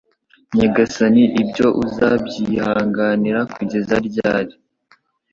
Nyagasani ibyo uzabyihanganira kugeza ryari?